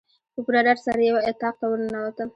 په پوره ډاډ سره یو اطاق ته ورننوتم.